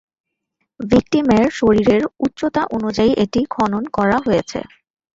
ভিক্টিমের শরীরের উচ্চতা অনুযায়ী এটি খনন করা হয়েছে।